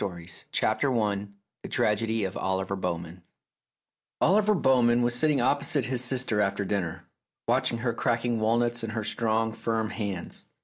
263 CRANK STORIES THE TRAGEDY OF OLIVER BOWMAN Oliver Bowman was sitting opposite his sister aftei dinner, watching her cracking walnuts in her strong, firm hands.